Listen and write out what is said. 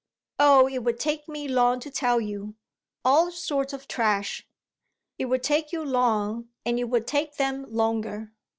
"Oh it would take me long to tell you. All sorts of trash." "It would take you long, and it would take them longer!